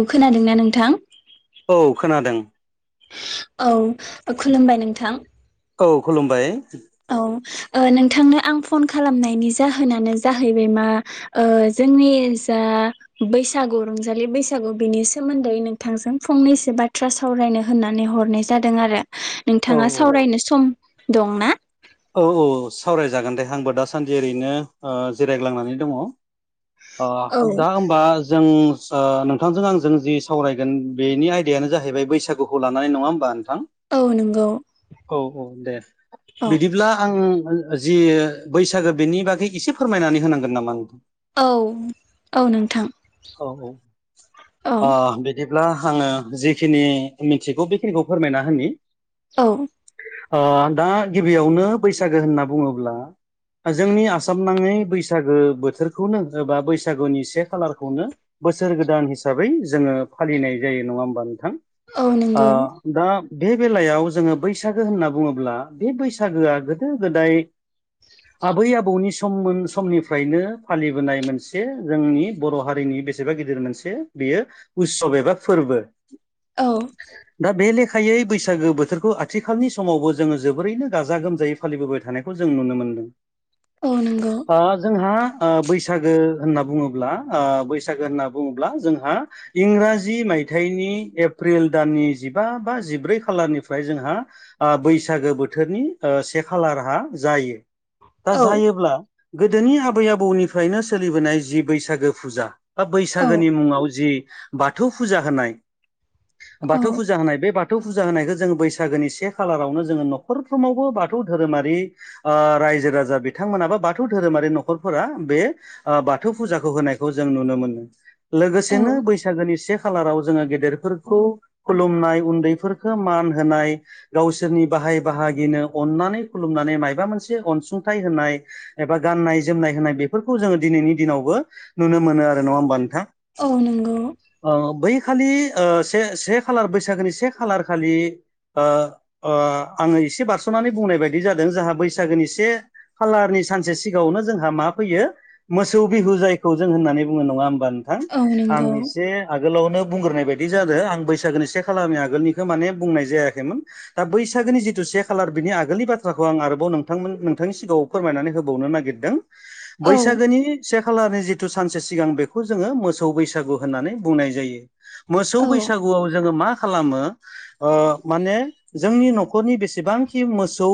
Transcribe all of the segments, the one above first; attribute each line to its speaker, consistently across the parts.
Speaker 1: ओं खोनादोंना नोंथां
Speaker 2: औ खोनादों
Speaker 1: औ खुलुमबाय नोंथां
Speaker 2: औ खुलुमबाय
Speaker 1: औ ओ नोंथांनो आं फन खालामनायनि जाहोनानो जाहैबाय मा ओ जोंनि जा आ बैसागु रंजालि बैसागु बिनि सोमोन्दै नोंथांजों फंनैसो बाथ्रा सावरायनो हो होननानै हरनाय जादों आरो
Speaker 2: औ
Speaker 1: नोंथाङा सावरायनो सम दं ना?
Speaker 2: औ औ सावरायजागोन दे आंबो दासान्दि ओरैनो ओ जिरायग्लांनानै दङ अ
Speaker 1: औ
Speaker 2: दा होमबा जों ओ नोंथांजों आंजों जि सावरायगोन बेनि आयदायानो जाहैबाय बैसागुखौ लानानै नङा होमबानो थां
Speaker 1: औ नंगौ
Speaker 2: औ औ दे
Speaker 1: औ
Speaker 2: बिदिब्ला आङो ओ जि बैसागो बेनि बागै एसे फोरमायनानै होनांगोन नामा नों
Speaker 1: औ औ नोंथां
Speaker 2: औ औ
Speaker 1: औ
Speaker 2: आ बिदिब ब्ला आङो जिखिनि मिनथिगौ बेखिनिखौ फोरमायना होनि
Speaker 1: औ
Speaker 2: ओ दा गिबियावनो बैसागो होनना बुङोब्ला जोंनि आसाम नाङै बैसागो बोथोरखौनो ओ बा बैसागोनि से खालार खौनो बोसोर गोदान हिसाबै जोङो फालिनाय जायो नङा होमबा? थां
Speaker 1: औ
Speaker 2: आ
Speaker 1: नंगौ
Speaker 2: दा बे बेलायाव जोङो बैसागो होनना बुङोब्ला बे बैसागोआ गोदो गोदाय आबै आबौनि सममोन समनिफ्रायनो फालिबोनाय मोनसे जोंनि बर' हारिनि बेसेबा गिदिर मोनसे बेयो उस्सब एबा फोर्बो
Speaker 1: औ
Speaker 2: खायै बैसागो बोथोरखौ आथिखालनि समावबो जोङो जोबोरैनो गाजा गोमजायै फालिबोबाय थानायखौ जों नुनो मोनदों
Speaker 1: औ नंगौ
Speaker 2: ओ जोंहा ओ बैसागो होनना बुङोब्ला ओ बैसागो होनना बुङोब्ला जोंहा इंराजि मायथाइनि एप्रिल दाननि जि जिबा बा जिब्रै खालारनिफ्राय जोंहा आ बैसागो बोथोरनि ओ से खालारहा जायो दा
Speaker 1: औ
Speaker 2: जायोब्ला गोदोनि आबै आबौनिफ्रायनो सोलिबोनाय जि बैसागो फुजा बा
Speaker 1: औ
Speaker 2: बैसागोनि मुङाव जि बाथौ फुजा होनाय
Speaker 1: औ
Speaker 2: बाथौ फुजा होनाय बे बाथ थौ फुजा होनायखौ जोङो बैसागोनि से खालारावनो जोङो नखरफ्रोमावबो बाथौ धोरोमारि ओ रायजो राजा बिथांमोन बा बाथौ धोरोमारि न'खरफोरा बे ओ बाथौ फुजाखौ होनाय खौ जों नुनो मोनो
Speaker 1: औ
Speaker 2: लोगोसेनो बैसागोनि से खालाराव जोङो गेदेरफोरखौ खुलुमनाय उन्दैफोरखौ मान होनाय गावसोरनि बाह बाहय बाहागिनो अननानै खुलुमनानै मायबा मोनसे अनसुंथाइ होनाय एबा गाननाय जोमनाय होन नाय बेफोरखौ जोङो दिनैनि दिनावबो नुनो मोनो आरो नङा होमबा नोंथां?
Speaker 1: औ नोंगौ
Speaker 2: ओ बै खालि ओ से से खालार बैसागोनि से खालार खालि ओ आङो एसे बारसनानै बुंनाय बायदि जादों जोंहा बैसागोनि से खालारनि सानसे सिगाङावनो जोंहा मा फैयो [unintelligible] मोसौ बिहु जायखौ जों होननानै बुङो नङा होमबा नोंथां
Speaker 1: औ
Speaker 2: आं
Speaker 1: नंगौ
Speaker 2: एसे गोलावनो बुंगोरनाय बायदि जादो आं बैसागोनि से खालारनि आगोलनिखो माने बुंनाय जायाखैमोन दा बैसाग गोनि जिथु से खालार बिनि आगोलनि बाथ्राखौ आं आरोबाव नोंथांमोन नोंथांनि सिगाङाव फोरमायनानै होबावनो नागिरदों
Speaker 1: औ
Speaker 2: बैसागोनि से खालारनि जि थु सानसे सिगां बेखौ जोङो मोसौ बैसागु होननानै बुंनाय जायो। मोसौ
Speaker 1: औ
Speaker 2: बैसागुआव जोङो मा खालामो ओ माने जोंनि न' खरनि बेसेबांखि मोसौ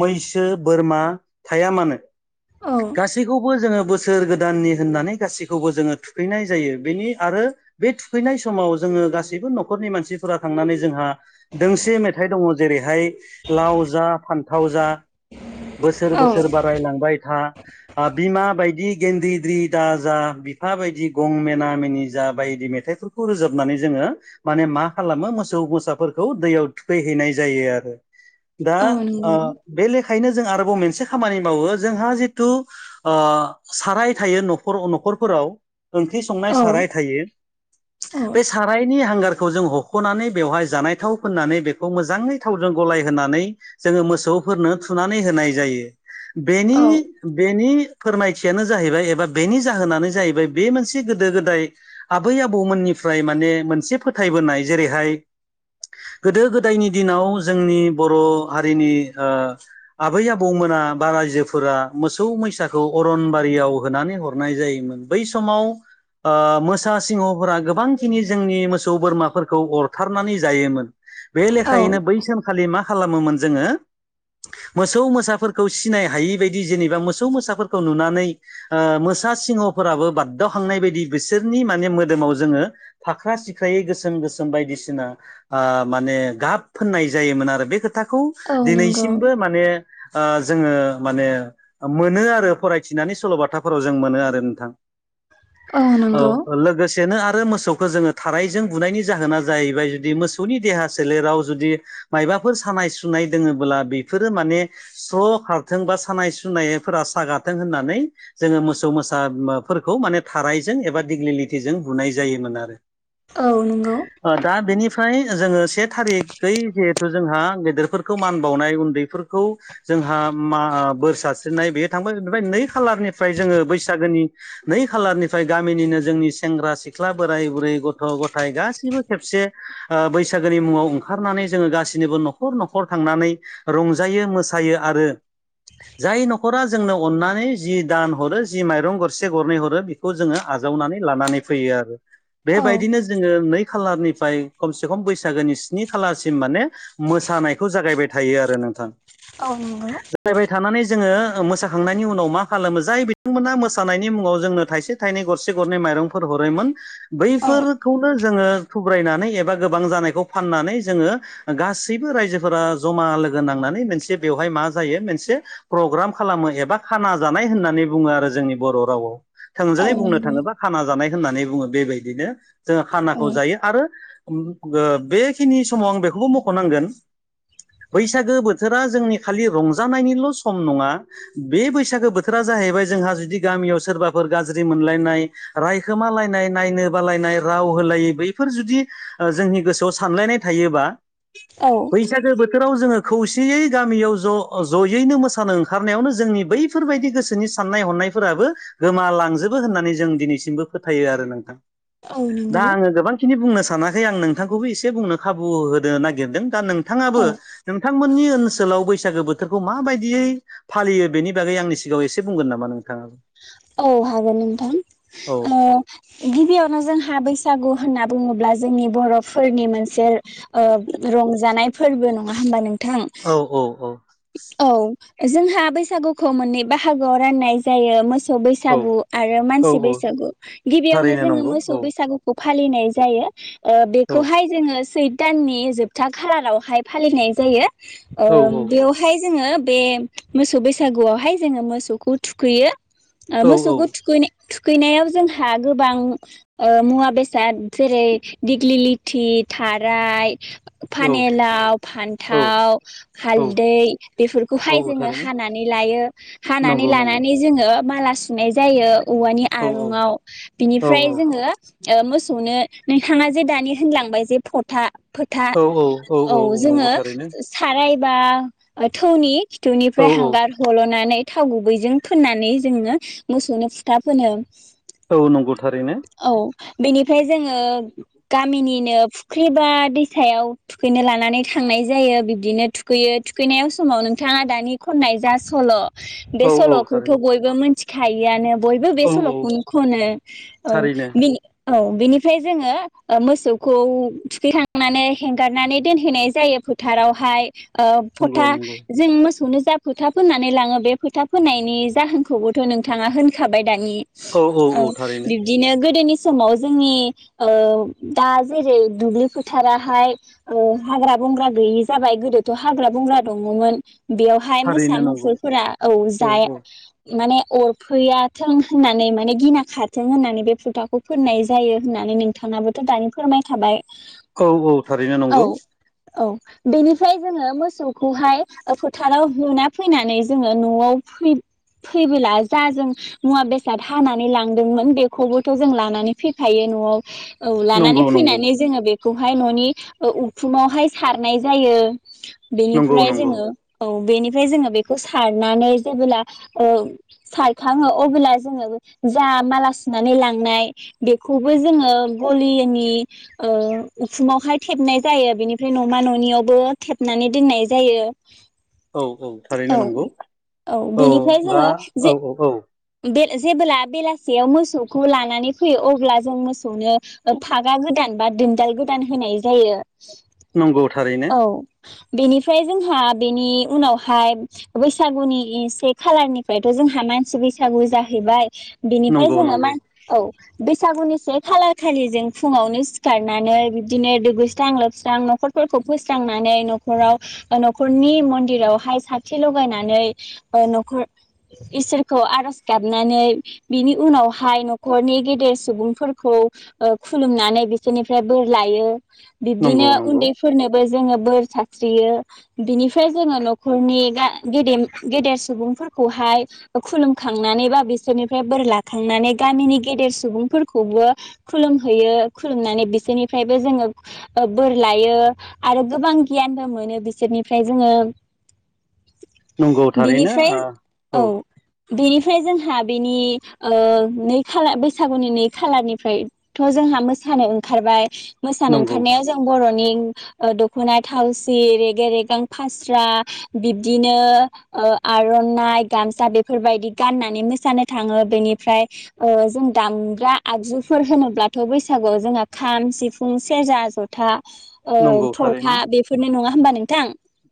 Speaker 2: मैसो बोरमा थाया मानो
Speaker 1: औ
Speaker 2: गासैखौबो जोङो बोसोर गोदाननि होननानै गासैखौबो जोङो थुखैनाय जायो बेनि आरो बे थुखैनाय समाव जोङो गासैबो न'खर नि मानसिफोरा थांनानै जोंहा दोंसे मेथाइ दङ जेरैहाय लाव जा फान्थाव जा [unintelligible] बोसोर
Speaker 1: औ
Speaker 2: बोसोर बारायलांबाय था आ बिमा बायदि गेन्द्रिद्रि दाजा बिफा बायदि गं मेना मेनि जा बायदि मेथाइफोरखौ रोजाबनानै जोङो माने मा खालामो मोसौ मोसाफोरखौ दैयाव थुखैहैनाय जायो आरो। दा
Speaker 1: औ
Speaker 2: ओ
Speaker 1: नंगौ
Speaker 2: बे लेखायैनो जों आरोबाव मोनसे खामानि मावो जोंहा जिथु ओ साराय थायो न' खर न'खरफोराव ओंख्रि संनाय
Speaker 1: औ
Speaker 2: साराय थायो।
Speaker 1: औ
Speaker 2: बे सारायनि हांगार जों हख'नानै बेवहाय जानाय थाव फोननानै बेखौ मोजाङै थावजों गलाय होनानै जोङो मोसौ फोरनो थुनानै होनाय जायो । बेनि
Speaker 1: औ
Speaker 2: बेनि फोरमायथियानो जाहैबाय एबा बेनि जाहोनानो जाहैबाय बे मोनसे गोदो-गोदाय आबै आबौमोननिफ्राय माने मोनसे फोथाय बोनाय जेरैहाय। गोदो-गोदायनि दिनाव जोंनि बर' हारिनि ओ आबै आबौ मोना। बा रायजोफोरा मोसौ मैसाखौ अरनबारियाव होनानै हर नाय जायोमोन बै समाव ओ मोसा सिंहफोरा गोबांखिनि जोंनि मोसौ बोरमाफोरखौ अरथारनानै जायोमोन। बे
Speaker 1: औ
Speaker 2: लेखायैनो बै सानखालि मा खालामोमोन जोङो। मोसौ मोसाफोरखौ सिनाय हायि बायदि जेनेबा मोसौ मोसाफोरखौ नुनानै ओ मो सा सिंहफोराबो बागदावखांनाय बायदि बिसोरनि माने मोदोमाव जोङो फाख्रा-सिख्रायै गोसोम गोसोम बायदिसिना ओ माने गाब फोननाय जायोमोन आरो बे खोथाखौ
Speaker 1: औ नंगौ
Speaker 2: दिनैसिमबो माने ओ जोङो माने मोनो आरो फरायथिनानै सल'बाथाफोराव। जों मोनो आरो नोंथां औ ओ लोगो सेनो आरो मोसौखौ जोङो थाराइजों बुनायनि जाहोना जाहैबाय जुदि मोसौनि देहा सोलेराव जुदि मायबाफोर सानाय सुनाय दोङोब्ला बेफोरो माने स्र' खारथों बा सानाय सुनायफोरा सागाथों होननानै जोङो मोसौ मोसाफोरखौ माने थारायजों एबा दिग्लिलिटिजों बुनाय जायोमोन आरो।
Speaker 1: औ नंगौ।
Speaker 2: फाय जोङो से थारिखै जिहेथु जोंहा गेदेरफोरखौ मान बावनाय उन्दैफोरखौ जों हा मा बोर सारस्रिनाय बेयो थांबाय नै कालारनि फ्राय जोङो बैसागोनि नै खालारनिफ्राय गामिनिनो जोंनि सेंग्रा-सिख्ला, बोराय-बुरै, गथ' - गथाय गासिबो खेबसे ओ बैसागोनि मुङाव ओंखारनानै जोङो गासिनिबो न'खर न'खर थांना नै रंजायो मोसायो आरो जाय न'खरा जोंनो अननानै जि‌ दान हरो जि माइरं गरसे गरनै हरो बेखौ जोङो आजावनानै लानानै फैयो आरो।
Speaker 1: औ
Speaker 2: बेबायदिनो जोङो नै खालारनिफ्राय खमसे खम बैसागोनि स्नि खालारसिम माने मोसानायखौ जागायबाय थायो आरो नोंथां‌।
Speaker 1: औ नंगौ
Speaker 2: जागायबाय थानानै जोङो ओ मोसाखांनायनि उनाव मा खालामो जाय बिथांमोना मोसानायनि मुङाव जोंनो थाइसे थाइनै गरसे गरनै माइरंफोर हरोमोन।
Speaker 1: औ
Speaker 2: बैफोर खौनो जोङो थुगब्रायनानै एबा गोबां जानायखौ फाननानै जोङो गासैबो रायजोफोरा जमा लोगो नांनानै मोनसे बेवहाय मा जायो मोनसे प्रग्राम खालामो एबा खाना जानाय होननानै बुङो आरो जोंनि बर' राव।
Speaker 1: औ
Speaker 2: थोंजोङै बुंनो
Speaker 1: नंगौ
Speaker 2: थाङोबा खाना जानाय। होननानै बुङो बेबायदिनो जोङो
Speaker 1: औ
Speaker 2: खानाखौ जायो आरो। ओ बेखिनि समाव आं बेखौबो मख'नांगोन। बैसागो बोथोरा जोंनि खालि रंजानायनिल' सम नङा बे बैसागो बोथोरा जाहैबाय जोंहा जुदि गामियाव सोरबाफोर गाज्रि मोनलायनाय रायखोमालायनाय नायनो बालाय। नाय राव होलायै बैफोर जुदि जोंनि गोसोआव सानलायनाय थायोबा।
Speaker 1: औ
Speaker 2: बैसागो बोथोराव जोङो। खौसेयै गामियाव ज' ज'यैनो मोसानो ओंखारनायावनो जोंनि बै बेफोरबायदि गोसोनि साननाय हनायफोराबो गोमालांजोबो होननानै जों दिनैसिमबो फोथायो आरो नोंथां।
Speaker 1: औ
Speaker 2: दा
Speaker 1: नंगौ
Speaker 2: आङो गोबांखिनि बुंनो सानाखै आं नोंथांखौबो एसे बुंनो खाबु होनो नागिरदों। दा नोंथाङाबो
Speaker 1: औ
Speaker 2: नोंथांमोननि ओनसोलाव बैसागो बोथोरखौ माबायदियै फालियो बेनि बागै आंनि सिगाङाव एसे बुंगोन नामा नों?
Speaker 1: औ हागोन
Speaker 2: औ
Speaker 1: नोंथां। ओ गिबियावनो जोंहा बैसा बैसागु होनना बुङोब्ला जोंनि बर'फोरनि ओ मोनसे रंजानाय। फोरबो नङा होमबा नों।
Speaker 2: औ औ औ
Speaker 1: औ जोंहा बैसागुखौ मोननै बाहागोआव राननाय जायो मोसौ बैसागु आरो मानसि
Speaker 2: औ
Speaker 1: बैसागु गिबियावनो
Speaker 2: थारैनो
Speaker 1: जोङो
Speaker 2: नंगौ
Speaker 1: मोसौ
Speaker 2: औ
Speaker 1: बैसागुखौ फालिनाय जायो ओ बेखौहाय जोङो सै दाननि जोबथा खालारावहाय फालिनाय जायो ओ
Speaker 2: औ
Speaker 1: बेयाव हाय जोङो बे मोसौ बैसागुआवहाय जोङो मोसौखौ थुखैयो । ओ मोसौखौ थुखैनाय नाय थुखैनायाव जोंहा गोबां ओ मुवा बेसाद जेरै दिग्लिलिथि थाराइ, फानेलाव, फान्थाव, हाल दै बेफोरखौहाय
Speaker 2: औ
Speaker 1: जोङो हानानै लायो हानानै
Speaker 2: नंगौ नंगौ
Speaker 1: लानानै जोङो माला सुनाय जायो औवानि
Speaker 2: औ औ
Speaker 1: आरुंआव
Speaker 2: औ
Speaker 1: बिनिफ्राय जोङो ओ मोसौनो नोंथाङाजे दानि होनलांबाय जे फथा फोथा
Speaker 2: औ
Speaker 1: औ जोङो साराय बा थौनि
Speaker 2: औ
Speaker 1: खिथौनिफ्राय
Speaker 2: औ
Speaker 1: हांगार हल'नानै थाव गुबैजों फोननानै जोङो मोसौनो फुथा फोनो ।
Speaker 2: औ नंगौ थारैनो ।
Speaker 1: बेनिफ्राय जोङो गामिनिनो फु फुख्रिबा दैसायाव थुखैनो लानानै थांनाय जायो बिब्दिनो थुखैयो । थुखैनायाव समाव नोंथाङा दानि खननाय जा सल' बे
Speaker 2: औ औ
Speaker 1: सल'खौथ'
Speaker 2: थारैनो
Speaker 1: बयबो मिथि खायोआनो बयबो बे
Speaker 2: औ औ
Speaker 1: सल'खौनो खनो औ
Speaker 2: थारैनो
Speaker 1: बिनि औ बेनिफ्राय जोङो मोसौखौ थुखैखांनानै हेंगारनानै दोनहैनाय जायो । फोथारावहाय ओ
Speaker 2: नंगौ
Speaker 1: फथा
Speaker 2: नंगौ
Speaker 1: जों मोसौनो जा फोथा फोननानै लाङो बे फोथा फोनायनायनि जाहोनखौबोथ' नोंथाङा होनखाबाय । दानि औ बिब्दिनो गोदोनि समाव जोंनि ओ दा जेरै दुब्लि फोथाराहाय ओ हाग्रा बंग्रा गैयि जाबाय गोदोथ' हाग्रा बंग्रा दङमोन बेयावहाय मोसा
Speaker 2: थारैनो नंगौ
Speaker 1: मुफुरफोरा औ जाया माने अरफैयाथों होननानै माने गिना खारथों होननानै बे फुथाखौ फोननाय जायो होननानै नोंथां नाबोथ' दानि फोरमाय खाबाय ।
Speaker 2: औ औ थारैनो नंगौ ।
Speaker 1: औ बेनिफ्राय जोङो मोसौ खौहाय फोथाराव होना फैनानै जोङो न'आव फै फैबोला जा जों मुवा बेसाद हानानै लांदोंमोन बेखौबोथ' जों लानानै फैफायो । न'आव औ
Speaker 2: नंगौ
Speaker 1: लानानै
Speaker 2: नंगौ
Speaker 1: फैनानै जोङो बे खौहाय न'नि उखुमावहाय सारनाय जायो ।
Speaker 2: नंगौ
Speaker 1: बेनिफ्राय
Speaker 2: नंगौ
Speaker 1: जोङो औ । बेनिफ्राय जोङो बेखौ सारनानै जेबोला ओ सारखाङो अबोला जोङो जा माला सुनानै लांनाय बेखौबो जोङो गलिनि ओ उ उखुमावहाय थेबनाय जायो बेनिफ्राय न'मा न'नियावबो थेबनानै दोननाय जायो
Speaker 2: औ
Speaker 1: ।
Speaker 2: थारैनो
Speaker 1: औ
Speaker 2: नंगौ
Speaker 1: औ बेनिफ्राय
Speaker 2: दा
Speaker 1: जोङो
Speaker 2: औ
Speaker 1: जे
Speaker 2: औ औ
Speaker 1: बे जेब्ला बेलासेयाव मोसौखौ लानानै फैयो अब्ला जों मोसौनो फागा गोदान बा दोनदाल गोदान होनाय जायो ।
Speaker 2: नंगौ थारैनो ।
Speaker 1: बेनिफ्राय जोंहा बेनि उनावहाय बैसागुनि ए से खालारनिफ्रायथ' जोंहा मानसि बैसागु जाहैबाय बिनिफ्राय
Speaker 2: नंगौ
Speaker 1: जोङो
Speaker 2: नंगौ
Speaker 1: मान औ । बैसागुनि से खालार खालि जों फुङावनो सिखारनानै बिदिनो दुगैस्रां लोबस्रां न'खर खौ फोस्रांनानै न'खराव न'खरनि मन्दिरावहाय साथि लगायनानै ओ न'खर इसोरखौ आर'ज गाबनानै बिनि उनावहाय न'खरनि गेदेर सुबुंफोरखौ ओ खुलुमनानै बिसोरनिफ्राय बोर लायो ।
Speaker 2: नंगौ
Speaker 1: बिब्दिनो
Speaker 2: नंगौ
Speaker 1: उन्दैफोरनोबो जोङो बोर सार स्रियो बिनिफ्राय जोङो न'खरनि गेदेम गेदेर सुबुंफोरखौहाय खुलुमखांनानै बा बिसोरनिफ्राय बोर लाखांनानै गामिनि गेदेर सुबुंफोरखौबो खुलुम खुुमहैयो खुलुमनानै बिसोरनिफ्रायबो जोङो ओ बोर लायो आरो गोबां गियानबो मोनो बिसोरनिफ्राय जोङो
Speaker 2: नंगौ थारैनो
Speaker 1: बिनिफ्राय औ बेनिफ्राय जोंहा बेनि नै खालार बैसागुनि नै खालारनिफ्रायथ' जों जोंहा मोसानो ओंखारबाय मोसानो
Speaker 2: नंगौ
Speaker 1: ओंखारनायाव जों बर'नि द'खना थावसि रेगें रेगें फास्रा बिब्दिनो आर'नाइ गाम बेफोरबायदि गाननानै मोसानो थाङो बेनिफ्राय ओ जों दामग्रा आगजुफोर होनोब्लाथ' बैसागुआव जोंहा खाम, सिफुं, सेरजा, जथा ओ
Speaker 2: नंगौ
Speaker 1: थरखा
Speaker 2: थारैनो
Speaker 1: बेफोरनो नङा होमबा नोंथां?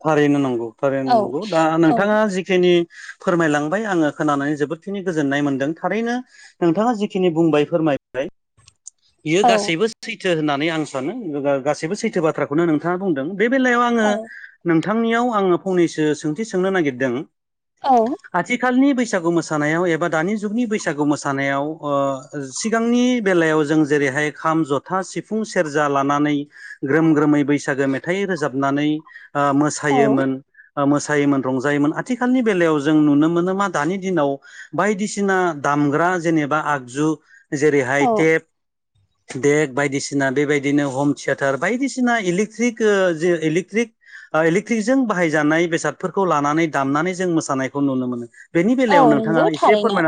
Speaker 2: थारैनो नांगौ थारनो
Speaker 1: औ
Speaker 2: नांगौ दा
Speaker 1: औ
Speaker 2: नोंथाङा जिखिनि फोरमायलांबाय आङो खोनानानै जोबोदखिनि गोजोननाय मोनदों थारैनो नोंथाङा जिखिनि बुंबाय फोरमायबाय बियो
Speaker 1: औ
Speaker 2: गासैबो सैथो होननानै आं सानो गासैबो सैथो बाथ्राखौनो नोंथाङा बुंदों । बे बेलायाव आङो
Speaker 1: औ
Speaker 2: नोंथांनियाव आङो फंनैसो सोंथि सोंनो नागिरदों
Speaker 1: औ
Speaker 2: आथिखालनि बै बैसागु मोसानायाव एबा दानि जुगनि बैसागु मोसानायाव ओ सिगांनि बेलायाव जों जेरै बेहाय खाम, जथा, सिफुं, सेरजा लानानै ग्रोम ग्रोमै बैसागो मेथाइ रोजाबनानै ओ
Speaker 1: औ
Speaker 2: मोसायोमोन मोसायोमोन रंजायोमोन आथिखालनि बेलायाव जों नुनो मोनो मा दानि दिनाव बायदिसिना दामग्रा जेनेबा आगजु जेरैहाय
Speaker 1: औ
Speaker 2: टेप देक बायदिसिना बेबायदिनो हम थियेटार बायदिसिना इलेक्ट्रिक जि इलेक्ट्रिक इलेक्ट्रिकजों बाहायजानाय बेसादफोरखौ लानानै दामनानै जों मोसानायखौ नुनो मोनो ।
Speaker 1: औ नंगौ थारैनो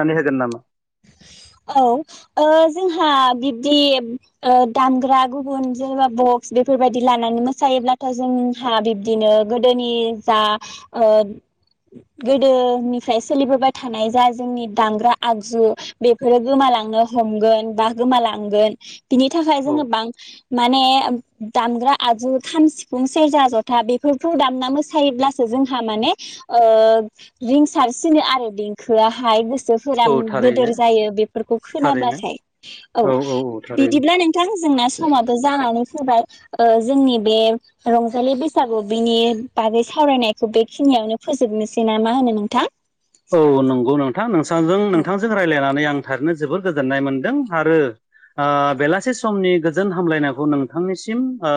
Speaker 2: नामा
Speaker 1: औ जोंहा जोंहा बिबदि ओ दामग्रा गुबुन जेरै बगस बेफोर बादि लानानै मोसायोब्ला नाथाय जोंहा बिब्दिनो गोदोनि जा ओ गोदोनि फ्राय सोलिबोबाय थानाय जा जोंनि दामांग्रा आगजु बेफोरो गोमालांनो हमगोन बा मा लांगोन बिनि थाखाय
Speaker 2: औ
Speaker 1: जोङो बां माने दामग्रा आजु खाम सिफुं सेरजा जथा बेफोरखौ दामना मोसायोब्लासो जोंहा माने ओ रिं सारसिनो आरो देंखोआहाय जोफोरा
Speaker 2: औ थारैनो
Speaker 1: बोदोर जायो बेफोरखौ
Speaker 2: थारैनो
Speaker 1: खोनाबाथाय औ बिदिब्ला नोंथां जोंना समाबो जानानै फैबाय ओ जोंनि बे रंजालि बैसागु बिनि बागै सावरायनायखौ बेखिनि बेयावनो फोजोबनोसै ना मा होनो नोंथां?
Speaker 2: औ नंगौ नोंथां
Speaker 1: औ
Speaker 2: नोंथांजों रायज्लायनानै आं आं थारनो जोबोर गोजोननाय मोनदों आरो ओ बेलासे समनि गोजोन हामलायनायखौ नोंथांनिसिम ओ